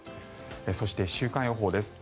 そして週間予報です。